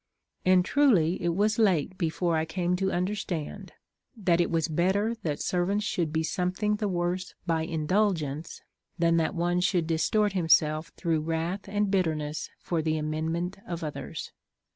And truly it was late before I came to understand, that it was better that servants should be something the worse by indulgence, than that one should distort himself through wrath and bit terness for the amendment of others.